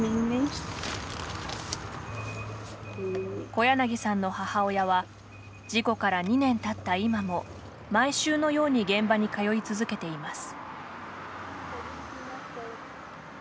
小柳さんの母親は事故から２年たった今も毎週のように現場に通い続けています。